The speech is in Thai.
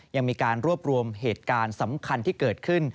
ยังมีการรวบรวมเหตุการณ์สำคัญที่เกิดขึ้น